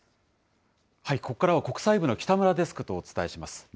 ここからは国際部の北村デスクとお伝えします。